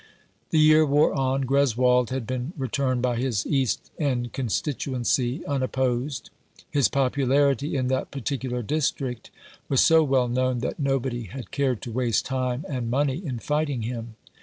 The year wore on. Greswold had been returned by his East End constituency, unopposed. His popularity in that particular district was so well known that nobody had cared to waste time and money in fighting him.